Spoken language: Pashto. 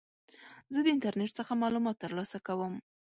زه د انټرنیټ څخه معلومات ترلاسه کوم.